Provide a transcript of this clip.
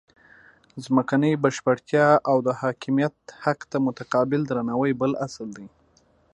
ځمکنۍ بشپړتیا او د حاکمیت حق ته متقابل درناوی بل اصل دی.